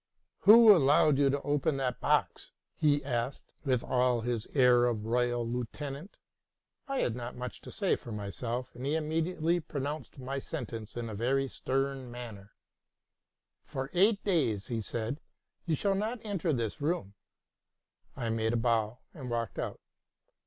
'* Who allowed you to open that box?'' he asked, with all his air of aroyal lieutenant. I had not much to say for myself, and he immediately pronounced my sentence in a very stern manner :' For eight days,'' said he, '* you shall not enter this room.'' I made a bow, and walked out.